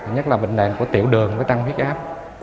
nhất là bệnh nền của tiểu đường với tăng huyết áp